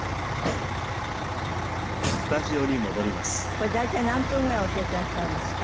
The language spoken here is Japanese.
これ大体何分ぐらい教えてらっしゃるんですか？